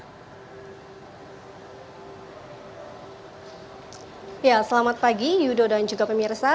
ya selamat pagi yudo dan juga pemirsa